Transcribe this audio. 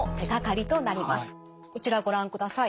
こちらご覧ください。